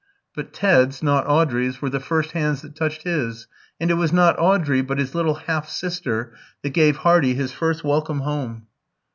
But Ted's, not Audrey's, were the first hands that touched his; and it was not Audrey, but his "little half sister," that gave Hardy his first welcome home.